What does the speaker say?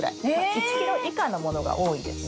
１ｋｇ以下のものが多いですね。